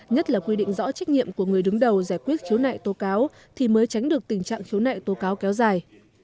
nhất là quy định rõ trách nhiệm của người đứng đầu giải quyết khiếu nại tố cáo thì mới tránh được tình trạng khiếu nại tố cáo kéo dài